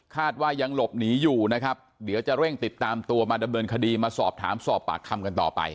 ว่ายังหลบหนีอยู่นะครับเดี๋ยวจะเร่งติดตามตัวมาดำเนินคดีมาสอบถามสอบปากคำกันต่อไป